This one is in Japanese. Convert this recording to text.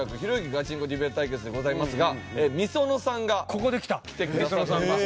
ガチンコディベート対決でございますがｍｉｓｏｎｏさんが来てくださっています。